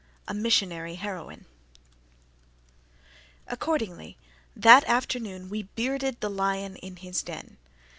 A MISSIONARY HEROINE Accordingly, that afternoon we bearded the lion in his den.